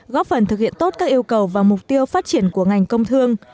góp phần thực hiện tốt các yêu cầu và mục tiêu phát triển của ngành công thương